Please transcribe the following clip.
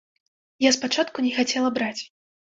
Я спачатку не хацела браць.